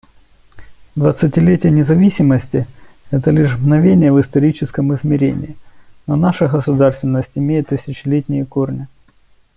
Двадцатилетие независимости — это лишь мгновение в историческом измерении, но наша государственность имеет тысячелетние корни.